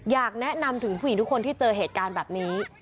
อยากแนะนำถึงผู้หญิงทุกคนที่เจอเหตุการณ์แบบนี้